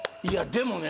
でもね